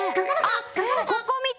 ここ見て！